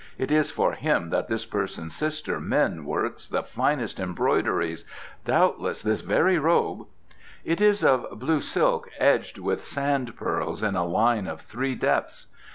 It is for him that this person's sister Min works the finest embroideries. Doubtless this very robe " "It is of blue silk edged with sand pearls in a line of three depths.